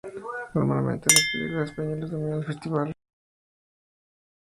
Normalmente, las películas españolas dominan el Festival.